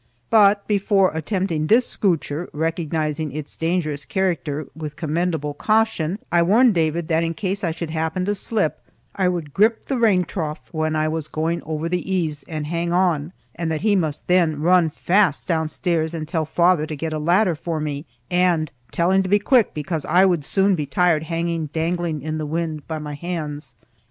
But before attempting this scootcher, recognizing its dangerous character, with commendable caution I warned David that in case I should happen to slip I would grip the rain trough when I was going over the eaves and hang on, and that he must then run fast downstairs and tell father to get a ladder for me, and tell him to be quick because I would soon be tired hanging dangling in the wind by my hands.